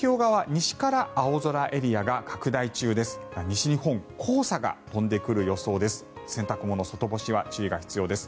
西日本黄砂が飛んでくる予想です。